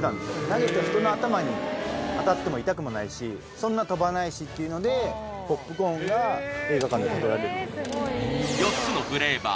投げて人の頭に当たっても痛くもないしそんな飛ばないしっていうのでポップコーンが映画館で食べられるようになった４つのフレーバー